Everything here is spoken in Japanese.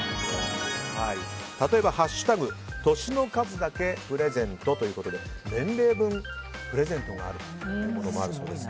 例えば「＃歳の数だけプレゼント」ということで年齢分、プレゼントがあるということもあるそうです。